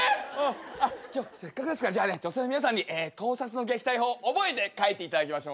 今日せっかくですから女性の皆さんに盗撮の撃退法覚えて帰っていただきましょうね。